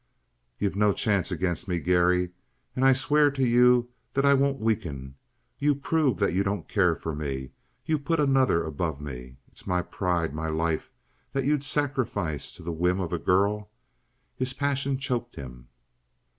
"You've no chance against me, Garry. And I swear to you that I won't weaken. You prove that you don't care for me. You put another above me. It's my pride, my life, that you'd sacrifice to the whim of a girl!" His passion choked him.